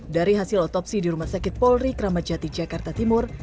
dari hasil otopsi di rumah sakit polri kramajati jakarta timur